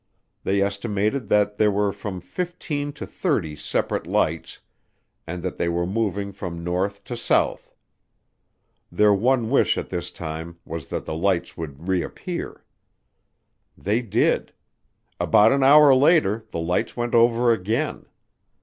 They estimated that there were from fifteen to thirty separate lights and that they were moving from north to south. Their one wish at this time was that the lights would reappear. They did; about an hour later the lights went over again.